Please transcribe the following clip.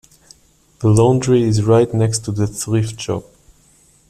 The laundry is right next to the thrift shop.